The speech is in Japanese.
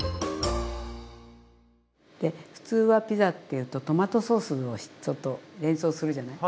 普通はピザっていうとトマトソースをちょっと連想するじゃない。